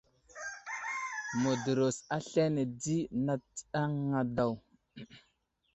Mədərəs aslane di nat tsənaŋ a daw.